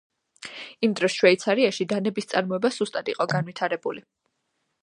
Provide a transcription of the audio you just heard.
იმ დროს შვეიცარიაში დანების წარმოება სუსტად იყო განვითარებული.